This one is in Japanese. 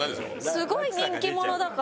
すごい人気者だから。